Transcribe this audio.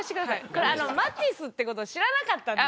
これマティスってことを知らなかったんですよ。